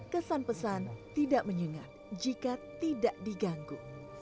kesan pesan tidak menyengat jika tidak diganggu